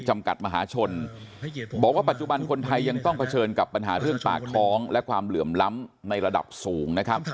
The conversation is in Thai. มันยังต้องเผชิญกับปัญหาเรื่องปากท้องและความเหลื่อมล้ำราดับสูง